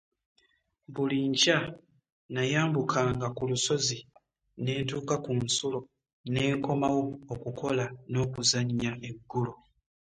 Buli nkya nnayambukanga ku lusozi ne ntuuka ku nsulo ne nkomawo okukola n'okuzannya eggulo.